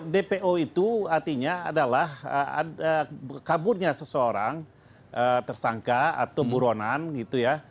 dpo itu artinya adalah kaburnya seseorang tersangka atau buronan gitu ya